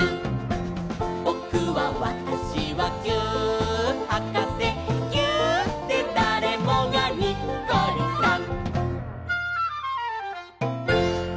「ぼくはわたしはぎゅーっはかせ」「ぎゅーっでだれもがにっこりさん！」